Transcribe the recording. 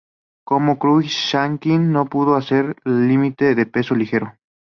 Como Cruickshank no pudo hacer el límite de peso ligero.